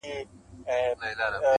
• پکښي عیب یې وو د هر سړي کتلی -